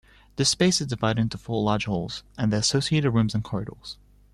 This space is divided into four large halls, and their associated rooms and corridors.